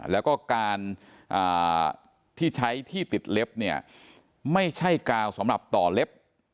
แล้วก็การที่ใช้ที่ติดเล็บเนี่ยไม่ใช่กาวสำหรับต่อเล็บ